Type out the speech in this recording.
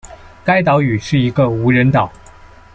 该岛屿是一个无人岛。